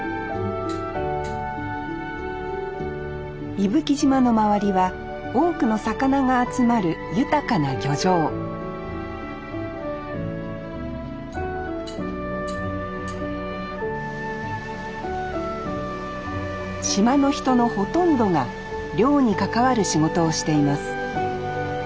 伊吹島の周りは多くの魚が集まる豊かな漁場島の人のほとんどが漁に関わる仕事をしています